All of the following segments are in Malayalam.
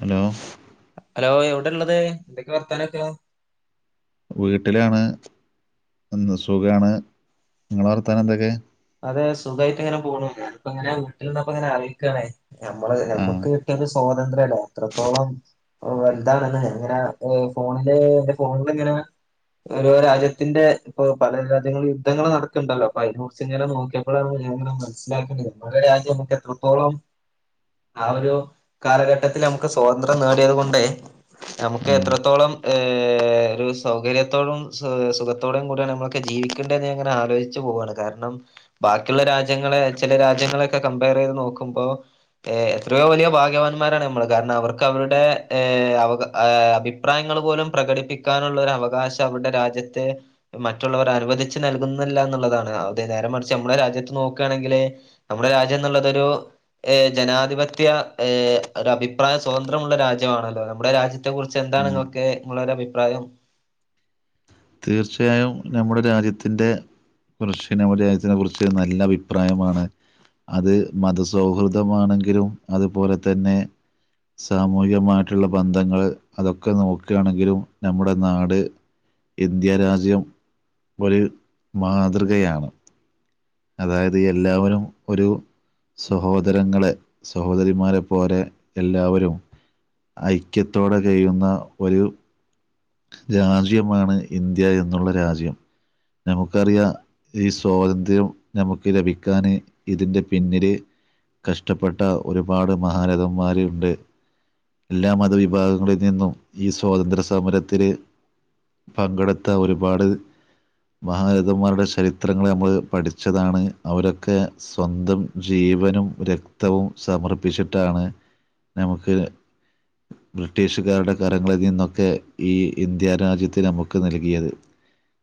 ഹലോ ഹലോ എവ്ടെള്ളത് എന്തൊക്കെ വർത്താനൊക്കെ? വീട്ടിലാണ്ന്ന് സുഖാണ് നിങ്ങള വർത്താനം എന്തൊക്കെ? അതെ സുഖയിട്ട് ഇങ്ങനെ പോണു അപ്പ ങ്ങനെ വീട്ടില്ന്നപ്പോങ്ങനെ അറിയിക്കേണ് ഞമ്മള് ആ ഞമ്മക്ക് കിട്ടേണ്ട സ്വാതന്ത്ര്യല്ലേ അത്രത്തോളം വലുതാണെന്ന് ങ്ങനെ ഫോണില് എന്റെ ഫോണില് ങ്ങനെ ഓരോ രാജ്യത്തിന്റെ ഇപ്പൊ പല രാജ്യങ്ങളും യുദ്ധങ്ങൾ നടക്ക്ണ്ടല്ലോ അപ്പൊ അയ് ന്യൂസ്‌ ച്ചിങ്ങനെ നോക്കിയപ്പോഴാണ് ഞാൻ ഇങ്ങനെ മനസ്സിലാക്കണത് നമ്മുടെ രാജ്യം നമുക്ക് എത്രത്തോളം ആ ഒരു കാലഘട്ടത്തിൽ നമുക്ക് സ്വാതന്ത്ര്യം നേടിയത് കൊണ്ട് നമുക്ക് ആ എത്രത്തോളം ഒരു സൗകര്യത്തോടും സുഖത്തോടയും കൂടിയ നമ്മളൊക്കെ ജീവിക്കേണ്ടെന്നെ ഞാനിങ്ങനെ ആലോചിച്ചു പോവുകയാണ് കാരണം കാരണം ബാക്കിയുള്ള രാജ്യങ്ങളെ ചില രാജ്യങ്ങളൊക്കെ കംമ്പയർ ചെയ്ത് നോക്കുമ്പോൾ എത്രയോ വലിയ ഭാഗ്യവാന്മാരാണ് നമ്മൾ കാരണം അവർക്ക് അവരുടെ അവ അഭിപ്രായങ്ങൾ പോലും പ്രകടിപ്പിക്കാനുള്ള അവകാശം അവരുടെ രാജ്യത്തെ മറ്റുള്ളവർ അനുവദിച്ച് നൽകുന്നില്ല എന്നുള്ളതാണ് അതെ നേരെ മറിച്ച് നമ്മുടെ രാജ്യത്ത് നോക്കുകയാണെങ്കിൽ നമ്മുടെ രാജ്യം എന്നുള്ളതൊരു ജനാധിപത്യ ഏഹ് ഒരു അഭിപ്രായം സ്വതന്ത്രമുള്ള രാജ്യമാണല്ലോ നമ്മുടെ രാജ്യത്തെ കുറിച്ച് ഉം. എന്താണിങ്ങൾക്ക് ഒരു അഭിപ്രായം തീർച്ചയായും നമ്മുടെ രാജ്യത്തിന്റെ കുറിച്ച് നമ്മുടെ രാജ്യത്തിനെ കുറിച്ച് നല്ല അഭിപ്രായമാണ് അത് മതസൗഹൃദമാണെങ്കിലും അതുപോലെ തന്നെ സാമൂഹികമായിട്ടുള്ള ബന്ധങ്ങൾ അതൊക്കെ നോക്കുകയാണെങ്കിലും നമ്മുടെ നാട് ഇന്ത്യ രാജ്യം ഒരു മാതൃകയാണ് അതായത് എല്ലാവരും ഒരു സഹോദരങ്ങളെ സഹോദരിമാരെ പോലെ എല്ലാവരും ഐക്യത്തോടെ കഴിയുന്ന ഒരു രാജ്യമാണ് ഇന്ത്യ എന്നുള്ള രാജ്യം നമുക്കറിയാം ഈ സ്വാതന്ത്ര്യം നമുക്ക് ലഭിക്കാന് ഇതിന്റെ പിന്നില് കഷ്ടപ്പെട്ട ഒരുപാട് മഹാരഥന്മാരുണ്ട് എല്ലാ മതവിഭാഗങ്ങളിൽ നിന്നും ഈ സ്വാതന്ത്ര്യ സമര ത്തില് പങ്കെടുത്ത ഒരുപാട് മഹാരഥന്മാരുടെ ചരിത്രങ്ങൾ നമ്മൾ പഠിച്ചതാണ് അവരൊക്കെ സ്വന്തം ജീവനും രക്തവും സമർപ്പിച്ചിട്ടാണ് നമുക്ക് ബ്രിട്ടീഷുകാരുടെ കരങ്ങളിൽ നിന്നൊക്കെ ഈ ഇന്ത്യ രാജ്യത്ത് നമുക്ക് നൽകിയത്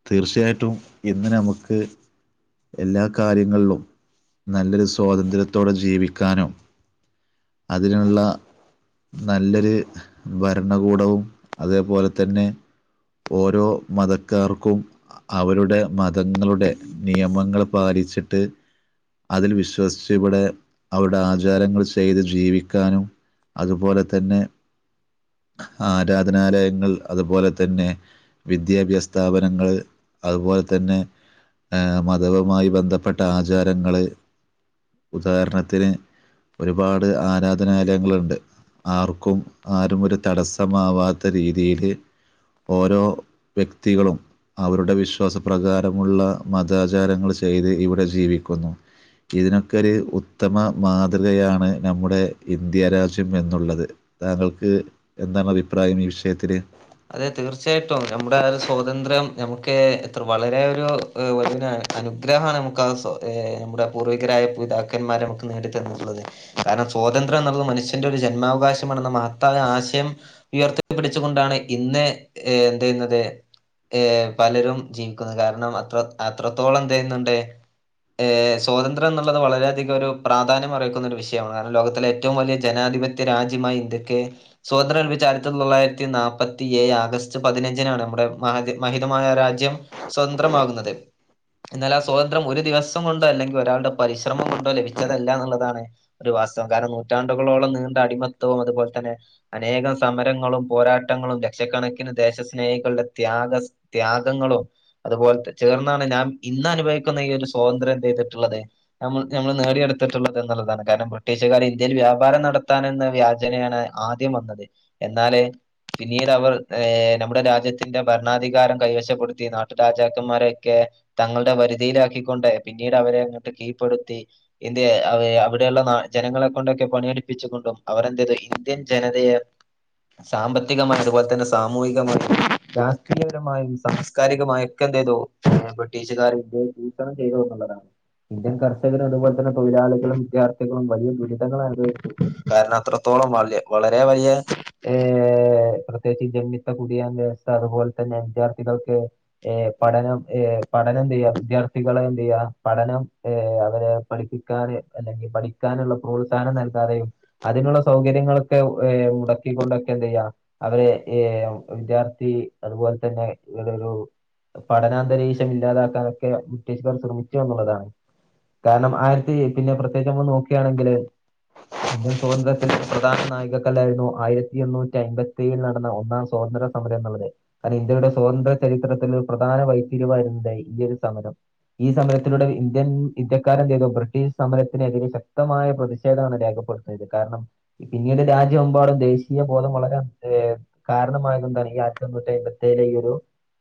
തീർച്ചയായിട്ടും ഇന്ന് നമുക്ക് എല്ലാ കാര്യങ്ങളിലും നല്ലൊരു സ്വാതന്ത്ര്യത്തോടെ ജീവിക്കാനും അതിനുള്ള നല്ലൊരു ഭരണകൂടവും അതേപോലെ തന്നെ ഓരോ മതക്കാർക്കും അവരുടെ മതങ്ങളുടെ നിയമങ്ങൾ പാലിച്ചിട്ട് അതിൽ വിശ്വസിച്ചിവിടെ അവരുടെ ആചാരങ്ങൾ ചെയ്ത് ജീവിക്കാനും അതുപോലെ തന്നെ ആരാധനാലയങ്ങൾ അതുപോലെ തന്നെ വിദ്യാഭ്യാസ സ്ഥാപനങ്ങൾ അതുപോലെ തന്നെ മതവുമായി ബന്ധപ്പെട്ട ആചാരങ്ങൾ ഉദാഹരണത്തിന് ഒരുപാട് ആരാധനാലയങ്ങളുണ്ട് ആർക്കും ആരും ഒരു തടസ്സമാവാത്ത രീതിയില് ഓരോ വ്യക്തികളും അവരുടെ വിശ്വാസ പ്രകാരമുള്ള മതാചാരങ്ങൾ ചെയ്ത് ഇവിടെ ജീവിക്കുന്നു ഇതിനൊക്കൊരു ഉത്തമ മാതൃകയാണ് നമ്മുടെ ഇന്ത്യ രാജ്യം എന്നുള്ളത് താങ്കൾക്ക് എന്താണ് അഭിപ്രായം ഈ വിഷയത്തില് അതെ തീർച്ചയായിട്ടും നമ്മുടെ സ്വാതന്ത്ര്യം ഞമക്ക് എത്ര വളരെ ഒരു അനുഗ്രഹാണ് നമുക്ക് ആഹ് സ്വാ നമ്മുടെ പൂർവികരായ പിതാക്കന്മാര് നമുക്ക് നേടി തന്നിട്ടുള്ളത് കാരണം സ്വാതന്ത്ര്യം എന്നുള്ളത് മനുഷ്യന്റെ ഒരു ജന്മാവകാശമാണ് മഹത്തായ ആശയം ഉയർത്തി പിടിച്ചു കൊണ്ടാണ് ഇന്ന് എന്ത് ചെയ്യുന്നത് പലരും ജീവിക്കുന്നത് കാരണം അത്ര അത്രത്തോളം എന്ത് ചെയ്യുന്നുണ്ട് ഏഹ് സ്വാതന്ത്ര്യം എന്നുള്ളത് വളരെയധികം ഒരു പ്രാധാന്യം അർഹിക്കുന്ന ഒരു വിഷയമാണ് കാരണം ലോകത്തിലെ ഏറ്റവും വലിയ ജനാധിപത്യ രാജ്യമായ ഇന്ത്യക്ക് സ്വാതന്ത്ര്യം ലഭിച്ച ആയിരത്തി തൊള്ളായിരത്തി നാപ്പത്തി ഏയ് ആഗസ്റ്റ് പതിനഞ്ചിനാണ് നമ്മുടെ മഹ മഹിതമായ രാജ്യം സ്വതന്ത്രമാകുന്നത് എന്നാൽ ആ സ്വതന്ത്രം ഒരു ദിവസം കൊണ്ടോ അല്ലെങ്കിൽ ഒരാളുടെ പരിശ്രമം കൊണ്ടോ ലഭിച്ചതല്ല എന്നുള്ളതാണ് ഒരു വാസ്തവം കാരണം നൂറ്റാണ്ടുകളോളം നീണ്ട അടിമത്തവും അതുപോലെ തന്നെ അനേകം സമരങ്ങളും പോരാട്ടങ്ങളും ലക്ഷക്കണക്കിന് ദേശസ്നേഹികളുടെ ത്യാഗ സ് ത്യാഗങ്ങളും അതുപോലെ ചേർന്നാണ് ഞാൻ ഇന്ന് അനുഭവിക്കുന്ന ഈ ഒരു സ്വാതന്ത്ര്യം എന്തെയ്തിട്ടുള്ളത് നമ്മൾ ഞമ്മള് നേടിയെടുത്തിട്ടുള്ളത് എന്നുള്ളതാണ് കാരണം ബ്രിട്ടീഷുകാര് ഇന്ത്യയിൽ വ്യാപാരം നടത്താനെന്ന വ്യാചേനേണ് ആദ്യം വന്നത് എന്നാല് വി ന്നീട് അവർ നമ്മുടെ രാജ്യത്തിന്റെ ഭരണാധികാരം കൈവശപ്പെടുത്തി നാട്ടുരാജാക്കന്മാരൊക്കെ തങ്ങളുടെ വരിധിയിലാക്കിക്കൊണ്ട് പിന്നീട് അവരെ അങ്ങോട്ട് കീഴ്പെടുത്തി ഇന്ത്യ അവിടെയുള്ള ജനങ്ങളെ കൊണ്ടൊക്കെ പണിയെടുപ്പിച്ചുകൊണ്ടും അവരെന്ത് ചെയതു ഇന്ത്യൻ ജനതയെ സാമ്പത്തി ത്തികമായും അതുപോലെ തന്നെ സാമൂഹികമായും രാഷ്ട്രീയപരമായും സംസ്കാരികമായും ഒക്കെ എന്ത് ചെയ്തു ബ്രിട്ടീഷുകാര് ഇന്ത്യയെ ചൂഷണം ചെയ്തു എന്നുള്ളതാണ് ഇന്ത്യൻ കർഷകരും അതുപോലെ തന്നെ തൊഴിലാളികളും വിദ്യാർത്ഥികളും വലിയ ദുരിതങ്ങൾ അനുഭവിച്ചു കാരണം അത്രത്തോളം വല്യ വളരെ വലിയ ഏഹ് പ്രത്യേകിച്ച് ജന്മിത്ത കുടിയാന്റെ വ്യവസ്ഥ അതുപോലെ തന്നെ വിദ്യാർത്ഥികൾക്ക് ഏ പഠനം ഏ പഠനം എന്ത ചെയ്യാ വിദ്യാർത്ഥികളെ എന്തെയ്യാ പഠനം ഏ അവരെ പഠിപ്പിക്കന് അല്ലെങ്കി പഠിക്കാനുള്ള പ്രോത്സാഹനം നൽകാതെയും അതിനുള്ള സൗകര്യങ്ങളൊക്കെ ഏ മുടക്കിക്കൊണ്ടൊക്കെ എന്തെയ്യാ അവരെ ഏ വിദ്യാർത്ഥി അതുപോലെ തന്നെ ഇവ്ടൊരു പഠനാന്തരീക്ഷം ഇല്ലാതാക്കാനൊക്കെ ബ്രിട്ടീഷുകാർ ശ്രമിച്ചു എന്നുള്ളതാണ് കാരണം ആയിരത്തി പിന്നെ പ്രത്യേകിച്ച് നമ്മള് നോക്കുകയാണെങ്കില് ഇന്ത്യൻ സ്വാതന്ത്ര്യത്തിന് പ്രധാന നാഴികക്കല്ലായിരുന്നു ആയിരത്തി എണ്ണൂറ്റി അയ്മ്പ ത്തേയിൽ നടന്ന ഒന്നാം സ്വാതന്ത്ര്യ സമരങ്ങളുടെ കാരണം ഇന്ത്യയുടെ സ്വതന്ത്ര്യ ചരിത്രത്തിൽ ഒരു പ്രധാന വഴിത്തിരിവായിരുന്നു ദാ ഈയൊരു സമരം ഈ സമരത്തിലൂടെ ഇന്ത്യൻ ഇന്ത്യക്കാരെന്ത് ചെയ്തു ബ്രിട്ടീഷ് സമരത്തിനെതിരെ ശക്തമായ പ്രതിഷേധാണ് രേഖപ്പെടുത്തയത് കാരണം പിന്നീട് രാജ്യമെമ്പാടും ദേശീയ ബോധം വളരാൻ ഏഹ് കാരണമായതെന്താണ് ഈ ആയിരത്തി തൊണ്ണൂറ്റി അയ്മ്പത്തി ഏഴിലെ ഈ ഒരു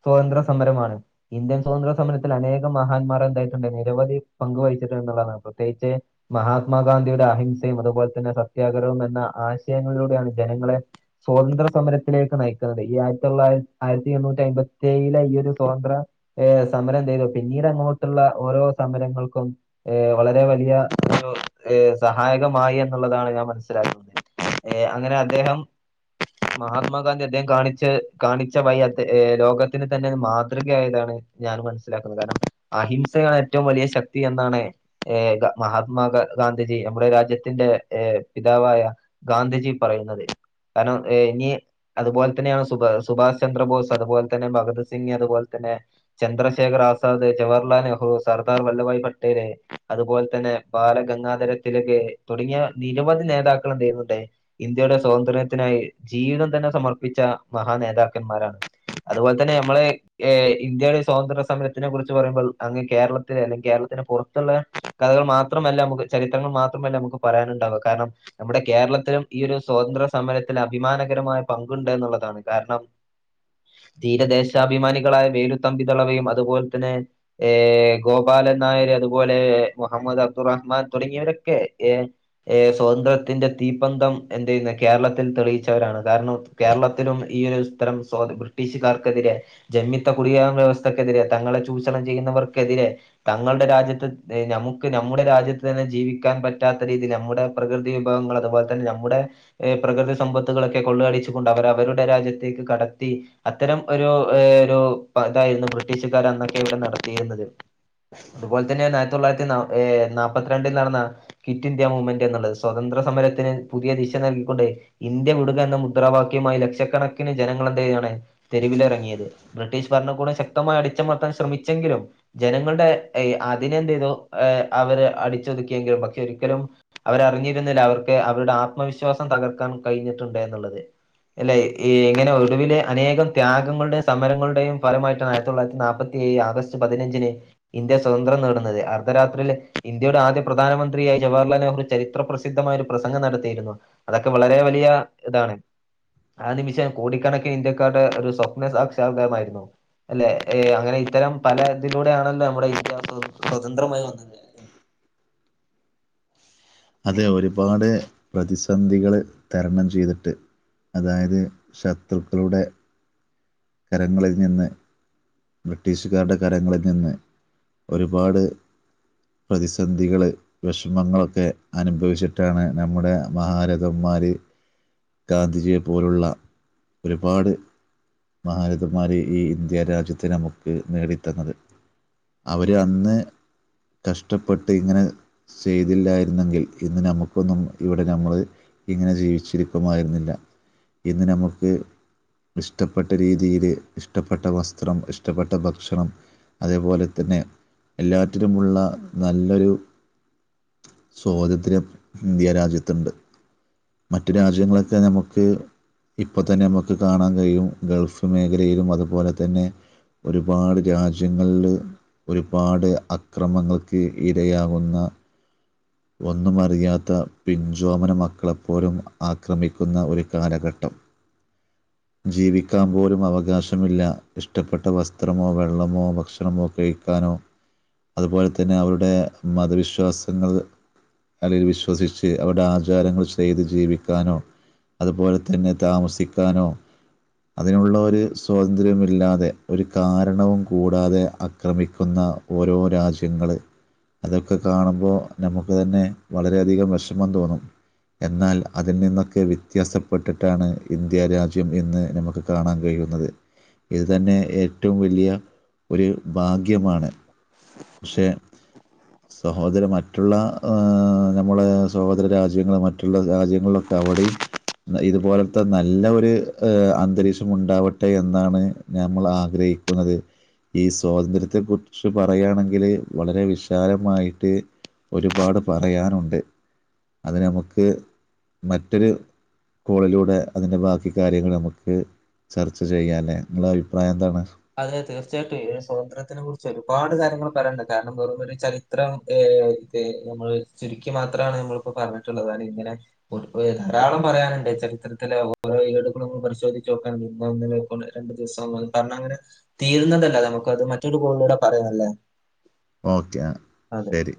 സ്വതന്ത്ര സമരമാണ് ഇന്ത്യൻ സ്വതന്ത്ര സമരത്തിൽ അനേകം മഹാന്മാർ എന്തായിട്ടുണ്ട് നിരവധി പങ്ക് വഹിച്ചിട്ടു എന്നുള്ളതാണ് പ്രത്യേകിച്ച് മഹാത്മാഗാന്ധിയുടെ അഹിംസയും അതുപോലെ തന്നെ സത്യാഗ്രഹവും എന്ന ആശയങ്ങളിലൂടെയാണ് ജനങ്ങളെ സ്വാതന്ത്ര സമരത്തിലേക്ക് നയിക്കുന്നത് ഈ ആയിരത്തി തൊള്ളായി ആയിരത്തി എണ്ണൂറ്റി അയ്മ്പത്തി ഏയിലെ ഈ ഒരു സ്വാതന്ത്ര ഏ സമരം എന്തു ചെയ്തു പിന്നീട് അങ്ങോട്ട്ള്ള ഓരോ സമരങ്ങൾക്കും വളരെ വലിയ ഒരു സഹായകമായി എന്നുള്ളതാണ് ഞാൻ മനസ്സിലാക്കുന്നത് ഏഹ് അങ്ങനെ അദ്ദേഹം മഹാത്മാഗാന്ധി അദ്ദേഹം കാണിച്ച് കാണിച്ച വയി ലോകത്തിന് തന്നെ മാതൃകയായതാണ് ഞാൻ മനസ്സിലാക്കുന്നത് കാരണം അഹിംസയാണ് ഏറ്റവും വലിയ ശക്തി എന്നാണ് ഏക മഹാത്മാ ഗാന്ധിജി നമ്മുടെ രാജ്യത്തിന്റെ ഏ പിതാവായ ഗാന്ധിജി പറയുന്നത് കാരണം ഇനി അതുപോലെ തന്നെയാണ് സു സുഭാഷ് ചന്ദ്രബോസ് അതുപോലെ തന്നെ ഭഗത് സിംഗ് അതുപോലെ തന്നെ ചന്ദ്രശേഖർ ആസാദ് ജവഹർലാൽ നെഹ്റു സർദാർ വല്ലഭായ് പട്ടേല് അതുപോലെ തന്നെ ബാലഗംഗാധര തിലക് തുടങ്ങിയ നിരവധി നേതാക്കൾ എന്തു ചെയ്യുന്നുണ്ട് ഇന്ത്യയുടെ സ്വാതന്ത്ര്യ ത്തിനായി ജീവിതം തന്നെ സമർപ്പിച്ച മഹാ നേതാക്കന്മാരാണ് അതുപോലെ തന്നെ നമ്മള് ഏഹ് ഇന്ത്യയുടെ സ്വാതന്ത്ര്യ സമരത്തിനെ കുറിച്ച് പറയുമ്പോൾ അങ്ങ് കേരളത്തിലെ അല്ലെ കേരളത്തിന് പുറത്തുള്ള കഥകൾ മാത്രമല്ല നമ്മുക്ക് ചരിത്രങ്ങൾ മാത്രമല്ല നമുക്ക് പറയാനുണ്ടാവ കാരണം നമ്മുടെ കേരളത്തിലും ഈ ഒരു സ്വാതന്ത്ര സമരത്തിൽ അഭിമാനകരമായ പങ്കുണ്ട് എന്നുള്ളതാണ് കാരണം ധീരദേശാഭിമാനികളായ വേലുതമ്പിധളവയും അതുപോലെ തന്നെ ഏഹ് ഗോപാലൻ നായര് അതുപോലെ മുഹമ്മദ് അബ്ദു റഹ്മാൻ തുടങ്ങിയവരൊക്കെ ഏ ഏ സ്വതന്ത്ര്യത്തിന്റെ തീപ്പന്തം എന്തു ചെയ്യുന്ന് കേരളത്തിൽ തെളിയിച്ചവരാണ് കാരണം കേരളത്തിലും ഈ ഒരു ഇത്തരം ബ്രിട്ടീഷുകാർക്കെതിരെ ജന്മിത്ത കുടിയാൻ വ്യവസ്ഥക്കെതിരെ തങ്ങളെ ചൂഷണം ചെയ്യുന്നവർക്കെതിരെ തങ്ങളുടെ രാജ്യത്ത് നമുക്ക് നമ്മുടെ രാജ്യത്ത് തന്നെ ജീവിക്കാൻ പറ്റാത്ത രീതിയിൽ നമ്മുടെ പ്രകൃതി വിഭവങ്ങൾ അതുപോലെ തന്നെ നമ്മുടെ ഏ പ്രകൃതി സമ്പത്തുകളൊക്കെ കൊള്ളയടിച്ചു കൊണ്ട് അവർ അവരുടെ രാജ്യത്തേക്ക് കടത്തി അത്തരം ഒരു ഒരു ഇതായിരുന്നു ബ്രിട്ടീഷുകാർ അന്നൊക്കെ ഇവിടെ നടത്തിയിരുന്നത് അതുപോലെ തന്നേന്ന് ആയിരത്തി തൊള്ളായിരത്തി നാ ഏഹ് നാപ്പത്തി രണ്ടിൽ നടന്ന ക്വിറ്റ് ഇന്ത്യ മൂവ്മെന്റ് എന്നുള്ളത് സ്വതന്ത്ര സമരത്തിന് പുതിയ ദിശ നൽ കൊണ്ട് ഇന്ത്യ വിടുക എന്ന മുദ്രാവാക്യവുമായി ലക്ഷക്കണക്കിന് ജനങ്ങൾ എന്തു ചെയ്യാണ് തെരുവിലിറങ്ങിയത് ബ്രിട്ടീഷ് ഭരണകൂടം ശക്തമായി അടിച്ചമർത്താൻ ശ്രമിച്ചെങ്കിലും ജനങ്ങളുടെ അതിനെ എന്ത് ചെയ്തു അവര് അടിച്ചൊതുക്കിയെങ്കിലും പക്ഷെ ഒരിക്കലും അവരറിഞ്ഞിരുന്നില്ല അവർക്ക് അവരുടെ ആത്മവിശ്വാസ സം തകർക്കാൻ കഴിഞ്ഞിട്ടുണ്ട് എന്നുള്ളത് അല്ലെ എങ്ങനെ ഒടുവിലെ അനേകം ത്യാഗങ്ങളുടെയും സമരങ്ങളുടെയും ഫലമായിട്ടാണ് ആയിരത്തി തൊള്ളായിരത്തി നാപ്പത്തി ഏഴ് ആഗസ്റ്റ് പതിനഞ്ചിന് ഇന്ത്യ സ്വതന്ത്രം നേടുന്നത് അർദ്ധരാത്രിയിൽ ഇന്ത്യയുടെ ആദ്യ പ്രധാനമന്ത്രിയായി ജവഹർലാൽ നെഹ്റു ചരിത്ര പ്രസിദ്ധമായ ഒരു പ്രസംഗം നടത്തിയിരുന്നു അതൊക്കെ വളരെ വലിയ ഇതാണ് ആ നിമിഷം കോടിക്കണക്കിന് ഇന്ത്യക്കാരുടെ ഒരു സ്വപ്ന സാക്ഷാത്കാരമായിരുന്നു അല്ലെ ഏഹ് അങ്ങനെ ഇത്തരം പല ഇതിലൂടെ ആണല്ലോ നമ്മുടെ ഇന്ത്യ സ്വതന്ത്രമായി വന്നത് അതെ ഒരുപാട് പ്രതിസന്ധികള് തരണം ചെയ്തിട്ട് അതായത് ശത്രുക്കളുടെ കരങ്ങളിൽ നിന്ന് ബ്രിട്ടീഷുകാരുടെ കരങ്ങളിൽ നിന്ന് ഒരുപാട് പ്രതിസന്ധികള് വിഷമങ്ങളൊക്കെ അനുഭവിച്ചിട്ടാണ് നമ്മുടെ മഹാരഥന്മാര് ഗാന്ധിജിയെ പോലുള്ള ഒരുപാട് മഹാരഥന്മാര് ഈ ഇന്ത്യ രാജ്യ ത്തെ നമുക്ക് നേടിത്തന്നത് അവര് അന്ന് കഷ്ടപ്പെട്ട് ഇങ്ങനെ ചെയ്തില്ലായിരുന്നെങ്കിൽ ഇന്ന് നമുക്കൊന്നും ഇവിടെ നമ്മള് ഇങ്ങനെ ജീവിച്ചിരിക്കുമായിരുന്നില്ല ഇന്ന് നമുക്ക് ഇഷ്ടപ്പെട്ട രീതിയിൽ ഇഷ്ടപ്പെട്ട വസ് ത്രം ഇഷ്ടപ്പെട്ട ഭക്ഷണം അതേപോലെ തന്നെ എല്ലാറ്റിലുമുള്ള നല്ലൊരു സ്വാതന്ത്ര്യം ഇന്ത്യ രാജ്യത്ത്ണ്ട് മറ്റു രാജ്യങ്ങളൊക്കെ നമുക്ക് ഇപ്പതന്നെ നമുക്ക് കാണാൻ കഴിയും ഗൾഫ് മേഖലയിലും അതുപോലെ തന്നെ ഒരുപാട് രാജ്യങ്ങൾല് ഒരുപാട് അക്രമങ്ങൾക്ക് ഇരയാവുന്ന ഒന്നും അറിയാത്ത പിഞ്ചോമന മക്കളെപ്പോലും ആക്രമിക്കുന്ന ഒരു കാലഘട്ടം ജീവിക്കാൻ പോലും അവകാശമില്ല ഇഷ്ടപ്പെട്ട വസ്ത്രമോ വെള്ളമോ ഭക്ഷണമോ കഴിക്കാനോ അതുപോലെ തന്നെ അവരുടെ മതവിശ്വാസങ്ങൾ അല്ലെങ്കി വിശ്വസിച്ച് അവരുടെ ആചാരങ്ങൾ ചെയ്ത് ജീവിക്കാനോ അതുപോലെ തന്നെ താമസിക്കാനോ അതിനുള്ള ഒരു സ്വാതന്ത്ര്യ ഇല്ലാതെ ഒരു കാരണവും കൂടാതെ അക്രമിക്കുന്ന ഓരോ രാജ്യങ്ങള് അതൊക്കെ കാണുമ്പോ നമുക്ക് തന്നെ വളരെയധികം വെഷമം തോന്നും എന്നാൽ അതിൽ നിന്നൊക്കെ വിത്യാസപ്പെട്ടിട്ടാണ് ഇന്ത്യ രാജ്യം ഇന്ന് നമുക്ക് കാണാൻ കഴിയുന്നത് ഇത് തന്നെ ഏറ്റവും വലിയ ഒരു ഭാഗ്യമാണ് പക്ഷേ സഹോദര മറ്റുള്ള നമ്മളെ സഹോദര രാജ്യങ്ങൾ മറ്റുള്ള രാജ്യങ്ങളിലൊക്കെ അവിടെയും ഇതുപോലത്തെ നല്ല ഒരു അന്തരീക്ഷം ഉണ്ടാവട്ടെ എന്നാണ് നമ്മൾ ആഗ്രഹിക്കുന്നത് ഈ സ്വാതന്ത്ര്യത്തെ കുറിച്ച് പറയാണെങ്കില് വളരെ വിശാലമായിട്ട് ഒരുപാട് പറയാനുണ്ട് അത് നമുക്ക് മറ്റൊരു കോളിലൂടെ അതിന്റെ ബാക്കി കാര്യങ്ങൾ നമുക്ക് ചർച്ച ചെയ്യാല്ലേ നിങ്ങളെ അഭിപ്രായം എന്താണ് അതെ തീർച്ചയായിട്ടും സ്വതന്ത്രത്തിനെ കുറിച്ച് ഒരുപാട് കാര്യങ്ങൾ പറയാണ്ട് കാരണം വെറുമൊരു ചരിത്രം ഏ നമ്മള് ചുരുക്കി മാത്രാണ് നമ്മളിപ്പോ പറഞ്ഞിട്ട്ള്ളത് അ ഇങ്ങനെ ഒരു ധാരാളം പറയാന്ണ്ട് ചരിത്രത്തിലെ ഓരോ ഏടുകളും നമ്മുക്ക് പരിശോധിച്ച് നോക്കാണ്ട് ഇന്നോ ഇന്നലെക്കെളള രണ്ടു ദിവസം ള്ളൂ കാരണങ്ങനെ തീരുന്നതല്ല നമുക്ക് അത് മറ്റൊരു കോളിലൂടെ പറയാല്ലേ ഓക്കെ ശരി